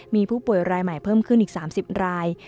มีผู้ป่วยรายใหม่เพิ่มขึ้นอีก๓๐ราย